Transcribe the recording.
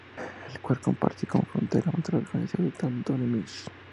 El cual comparte, como frontera natural, con ciudad de Sandomierz.